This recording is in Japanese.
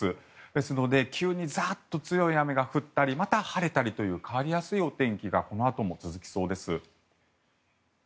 ですので急にざっと強い雨が降ったりまた晴れたりという変わりやすいお天気がこのあとも続きそうです。